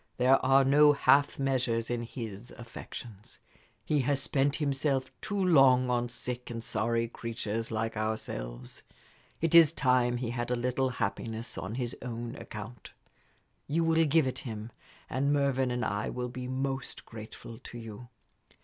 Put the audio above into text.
There are no half measures in his affections. He has spent himself too long on sick and sorry creatures like ourselves. It is time he had a little happiness on his own account. You will give it him, and Mervyn and I will be most grateful to you.